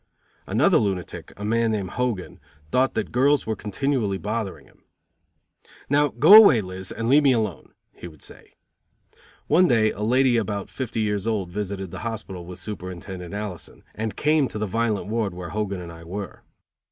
Another lunatic, a man named Hogan, thought that girls were continually bothering him. "Now go away, Liz, and leave me alone," he would say. One day a lady about fifty years old visited the hospital with Superintendent Allison, and came to the violent ward where Hogan and I were.